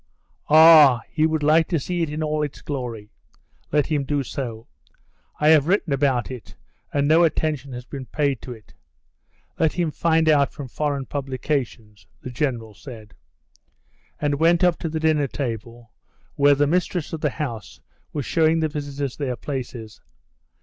"Ah, he would like to see it in all its glory! Let him do so. I have written about it and no attention has been paid to it. Let him find out from foreign publications," the General said, and went up to the dinner table, where the mistress of the house was showing the visitors their places.